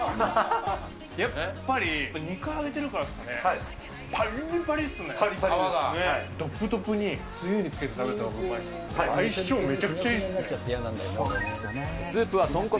やっぱり２回揚げてるからですかね、ぱりぱりですね。